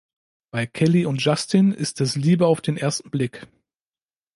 Bei Kelly und Justin ist es Liebe auf den ersten Blick.